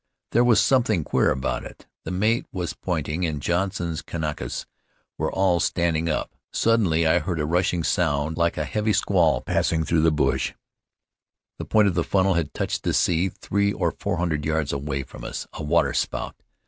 There was something queer about it; the mate was pointing, and Johnson's Kanakas were all standing up. Sud denly I heard a rushing sound, like a heavy squall passing through the bush; the point of the funnel had touched the sea three or four hundred yards away from us — a waterspout!